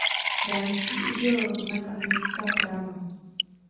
Dánský udělil znak a městská práva.